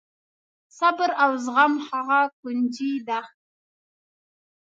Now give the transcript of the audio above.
صبر او زغم هغه کونجي ده.